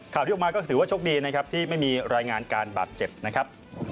ที่ออกมาก็ถือว่าโชคดีนะครับที่ไม่มีรายงานการบาดเจ็บนะครับ